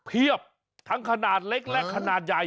เพียบทั้งขนาดเล็กและขนาดใหญ่